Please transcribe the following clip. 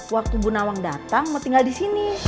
waktu bu nawang datang mau tinggal di sini